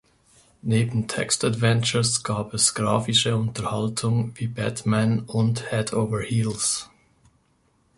Neben Textadventures gab es graphische Unterhaltung wie "Batman" und "Head Over Heels".